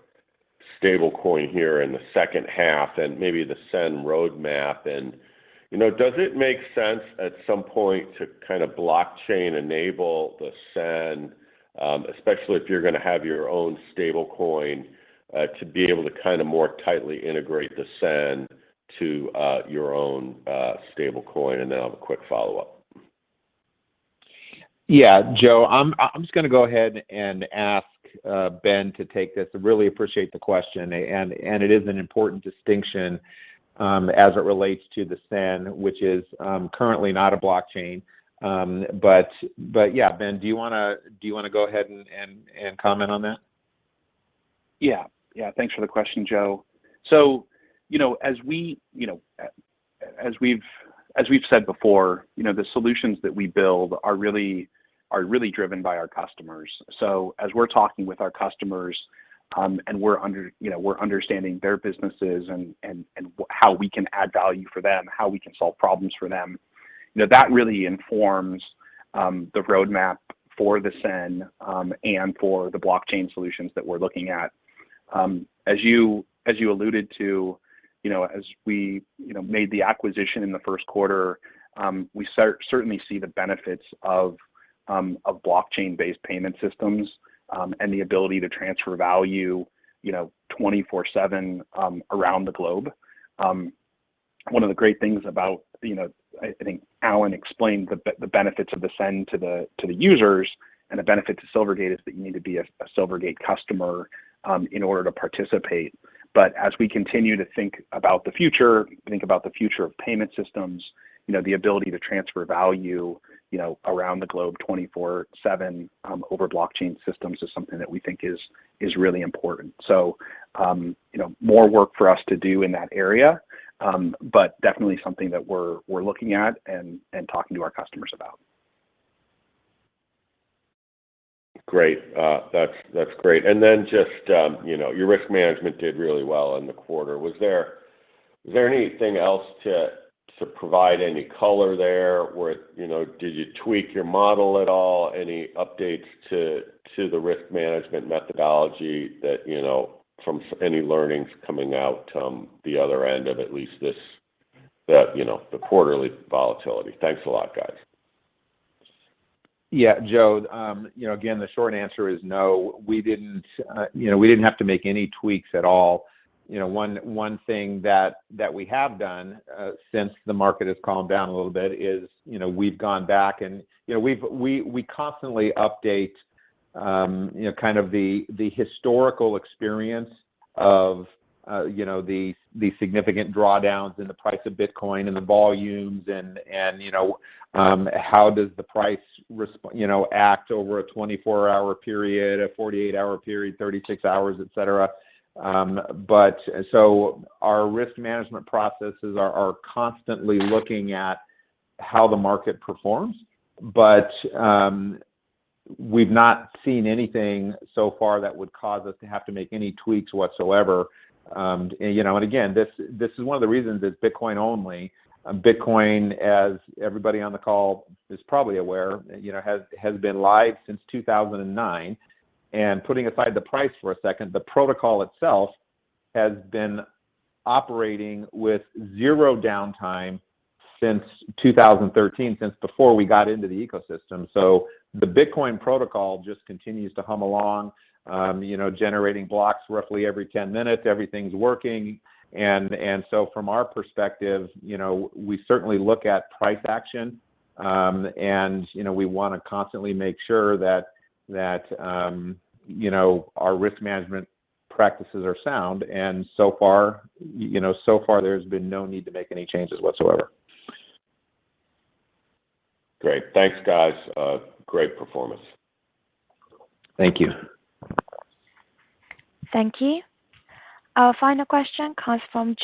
stablecoin here in the second half, and maybe the SEN roadmap. You know, does it make sense at some point to kind of blockchain enable the SEN, especially if you're gonna have your own stablecoin, to be able to kind of more tightly integrate the SEN to your own stablecoin? Then I'll have a quick follow-up. Yeah. Joe, I'm just gonna go ahead and ask Ben to take this. I really appreciate the question. It is an important distinction as it relates to the SEN, which is currently not a blockchain. Yeah, Ben, do you wanna go ahead and comment on that? Yeah. Yeah. Thanks for the question, Joe. You know, as we've said before, you know, the solutions that we build are really driven by our customers. As we're talking with our customers and we're understanding their businesses and how we can add value for them, how we can solve problems for them, you know, that really informs the roadmap for the SEN and for the blockchain solutions that we're looking at. As you alluded to, you know, as we made the acquisition in the first quarter, we certainly see the benefits of blockchain-based payment systems and the ability to transfer value, you know, 24/7 around the globe. One of the great things about, you know. I think Alan explained the benefits of the SEN to the users, and the benefit to Silvergate is that you need to be a Silvergate customer in order to participate. As we continue to think about the future of payment systems, you know, the ability to transfer value, you know, around the globe 24/7 over blockchain systems is something that we think is really important. So you know, more work for us to do in that area, but definitely something that we're looking at and talking to our customers about. Great. That's great. Just, you know, your risk management did really well in the quarter. Was there anything else to provide any color there? You know, did you tweak your model at all? Any updates to the risk management methodology that, you know, from any learnings coming out the other end of at least this, you know, the quarterly volatility? Thanks a lot, guys. Yeah. Joe, you know, again, the short answer is no. We didn't, you know, we didn't have to make any tweaks at all. You know, one thing that we have done since the market has calmed down a little bit is, you know, we've gone back and, you know, we constantly update, you know, kind of the historical experience of, you know, the significant drawdowns in the price of Bitcoin and the volumes and, you know, how does the price act over a 24-hour period, a 48-hour period, 36 hours, etc. But so our risk management processes are constantly looking at how the market performs, but we've not seen anything so far that would cause us to have to make any tweaks whatsoever. Again this is one of the reasons it's Bitcoin only. Bitcoin, as everybody on the call is probably aware, you know, has been live since 2009. Putting aside the price for a second, the protocol itself has been operating with zero downtime since 2013, since before we got into the ecosystem. So the Bitcoin protocol just continues to hum along, you know, generating blocks roughly every 10 minutes. Everything's working. And from our perspective, you know, we certainly look at price action, and, you know, we wanna constantly make sure that, you know, our risk management practices are sound. And so far, you know, there's been no need to make any changes whatsoever. Great. Thanks, guys. Great performance. Thank you. Thank you. Our final question comes from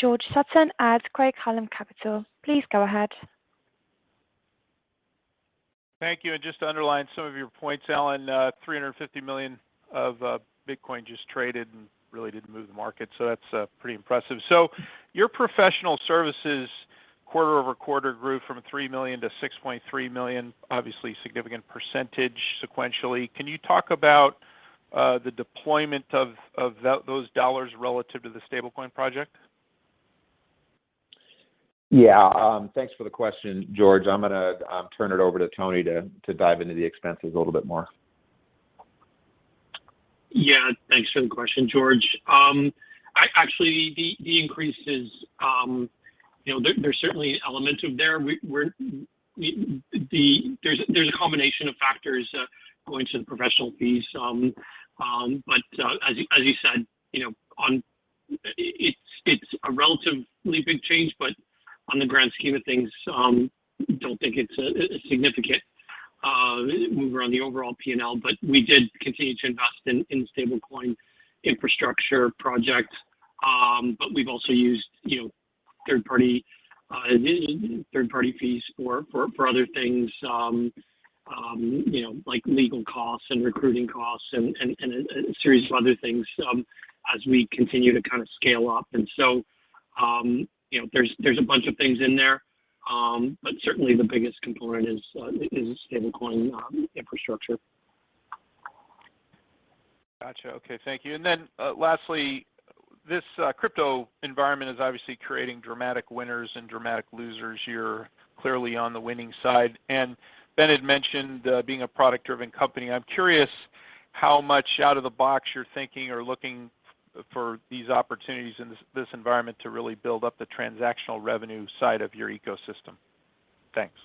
George Sutton at Craig-Hallum Capital. Please go ahead. Thank you. Just to underline some of your points, Alan, $350 million of Bitcoin just traded and really didn't move the market, so that's pretty impressive. Your professional services quarter-over-quarter grew from $3 million-$6.3 million, obviously significant percentage sequentially. Can you talk about the deployment of those dollars relative to the stablecoin project? Yeah. Thanks for the question, George. I'm gonna turn it over to Tony to dive into the expenses a little bit more. Yeah. Thanks for the question, George. Actually, the increases, you know, there's certainly elements of that. There's a combination of factors going into the professional fees. As you said, you know. It's a relatively big change, but on the grand scheme of things, don't think it's a significant mover on the overall P&L. We did continue to invest in stablecoin infrastructure projects. We've also used, you know, third-party fees for other things, you know, like legal costs and recruiting costs and a series of other things, as we continue to kind of scale up. And so you know, there's a bunch of things in there. Certainly the biggest component is stablecoin infrastructure. Gotcha. Okay. Thank you. Lastly, this crypto environment is obviously creating dramatic winners and dramatic losers. You're clearly on the winning side. And Ben had mentioned being a product-driven company. I'm curious how much out of the box you're thinking or looking for these opportunities in this environment to really build up the transactional revenue side of your ecosystem. Thanks.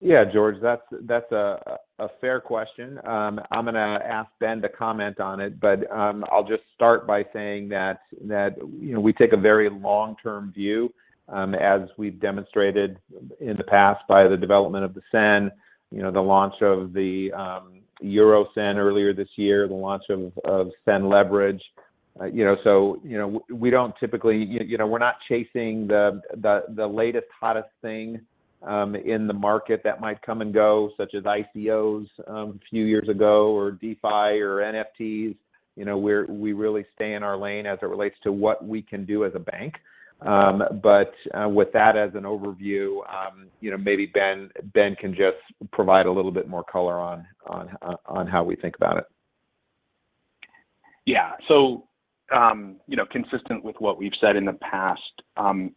Yeah, George. That's a fair question. I'm gonna ask Ben to comment on it. I'll just start by saying that you know, we take a very long-term view as we've demonstrated in the past via the development of the SEN, you know, the launch of the Euro SEN earlier this year, the launch of SEN Leverage. You know, we don't typically. You know, we're not chasing the latest, hottest thing in the market that might come and go, such as ICOs a few years ago or DeFi or NFTs. You know, we really stay in our lane as it relates to what we can do as a bank. But with that as an overview, you know, maybe Ben can just provide a little bit more color on how we think about it. Yeah. So you know, consistent with what we've said in the past,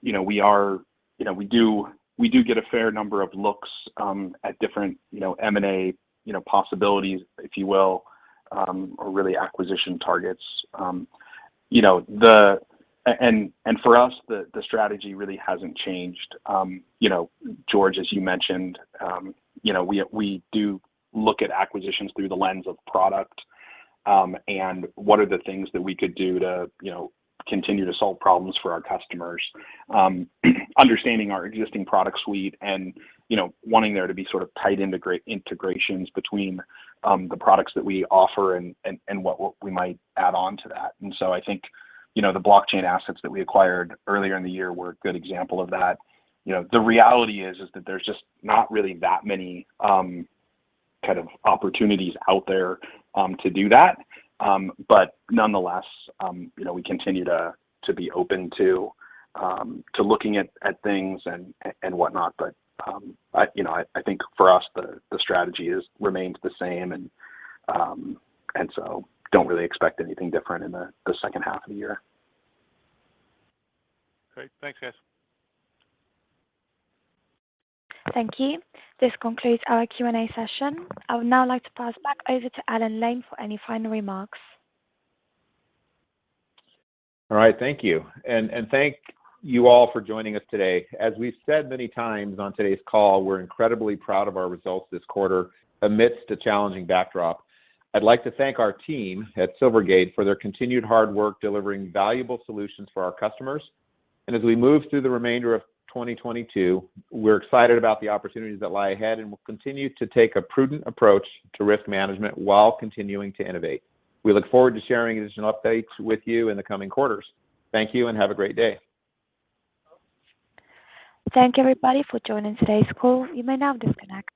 you know, we do get a fair number of looks at different, you know, M&A possibilities, if you will, or really acquisition targets. You know, the strategy really hasn't changed. You know, George, as you mentioned, you know, we do look at acquisitions through the lens of product, and what are the things that we could do to, you know, continue to solve problems for our customers, understanding our existing product suite and, you know, wanting there to be sort of tight integrations between the products that we offer and what we might add on to that. So I think, you know, the blockchain assets that we acquired earlier in the year were a good example of that. You know, the reality is that there's just not really that many kind of opportunities out there to do that. But nonetheless, you know, we continue to be open to looking at things and whatnot. I think for us, the strategy remains the same and so don't really expect anything different in the second half of the year. Great. Thanks, guys. Thank you. This concludes our Q&A session. I would now like to pass back over to Alan Lane for any final remarks. All right. Thank you. Thank you all for joining us today. As we've said many times on today's call, we're incredibly proud of our results this quarter amidst a challenging backdrop. I'd like to thank our team at Silvergate for their continued hard work delivering valuable solutions for our customers. As we move through the remainder of 2022, we're excited about the opportunities that lie ahead and will continue to take a prudent approach to risk management while continuing to innovate. We look forward to sharing additional updates with you in the coming quarters. Thank you and have a great day. Thank you, everybody, for joining today's call. You may now disconnect.